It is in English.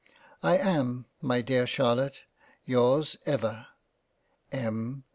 I am my dear Charlotte yrs ever M.